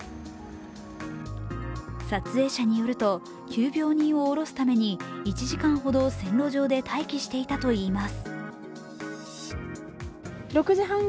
撮影者によると急病人を下ろすために、１時間ほど線路上で待機していたといいます。